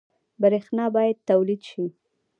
برښنا باید تولید شي